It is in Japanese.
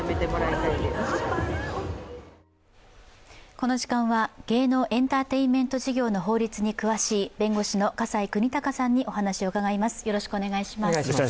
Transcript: この時間は芸能・エンターテインメント事業の法律に詳しい弁護士の河西邦剛さんにお話を伺います。